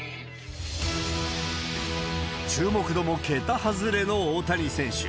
注目度も桁外れの大谷選手。